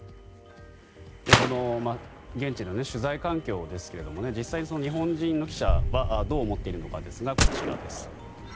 この現地の取材環境ですが実際、日本人の記者はどう思っているのかですがこちらです。